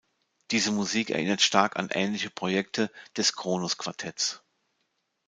Diese Musik erinnert stark an ähnliche Projekte des Kronos Quartetts.